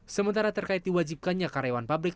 sementara terkait diwajibkannya karyawan pabrik